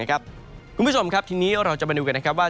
คุณผู้ชมครับทีนี้เราจะมาดูกันนะครับว่า